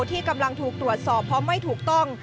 ที่กำลังถูกตรวจสอบเพราะไม่ถูกต้อง